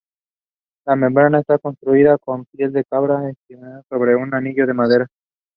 La membrana está construida con piel de cabra estirada sobre un anillo de madera.